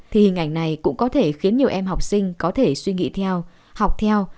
thì hình ảnh này cũng có thể khiến nhiều em học sinh có thể suy nghĩ theo học theo